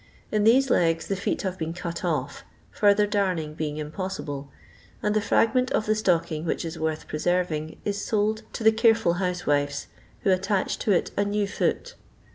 In these legs the feet hate been cut ofl; further darn ing being impossible, and the fragment of the stocking which is worth preserving is sold to the careful housewives who attach to it a new foot.